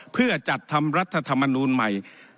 เพื่อจัดทำรัฐธรรมนูลใหม่